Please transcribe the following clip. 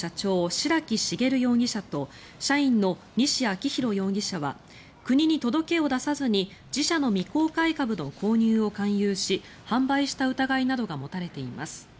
白木茂容疑者と社員の西昭洋容疑者は国に届けを出さずに自社の未公開株の購入を勧誘し販売した疑いなどが持たれています。